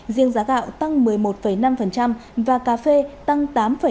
riêng giá gạo tăng một mươi một năm và cà phê tăng tám ba